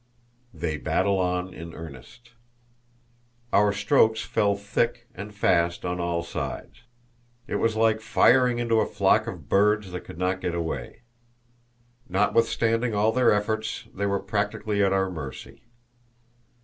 They Battle on in Earnest. Our strokes fell thick and fast on all sides. It was like firing into a flock of birds that could not get away. Notwithstanding all their efforts they were practically at our mercy.